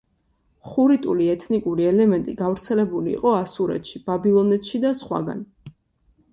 ხურიტული ეთნიკური ელემენტი გავრცელებული იყო ასურეთში, ბაბილონეთში და სხვაგან.